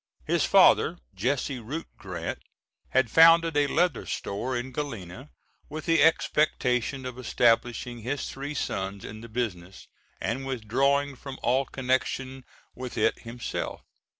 His father, Jesse Root Grant, had founded a leather store in Galena with the expectation of establishing his three sons in the business, and withdrawing from all connection with it himself.